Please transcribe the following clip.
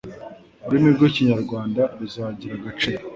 uririmi rw'ikinyarwanda ruzagira agaciro